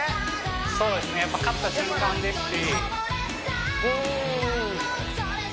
そうですねやっぱ勝った瞬間ですしうん！